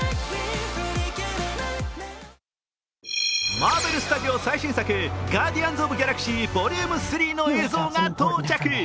マーベルスタジオ最新作、「ガーディアンズ・オブ・ギャラクシー：ＶＯＬＵＭＥ３」の映像が到着。